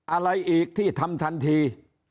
อะไรอีกที่ทำทันที